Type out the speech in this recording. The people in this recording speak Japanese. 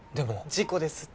事故ですって。